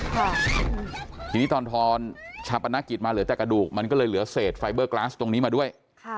ทีนี้ตอนทอนชาปนกิจมาเหลือแต่กระดูกมันก็เลยเหลือเศษไฟเบอร์กลาสตรงนี้มาด้วยค่ะ